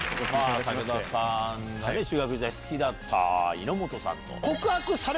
武田さんが中学時代好きだった猪本さん。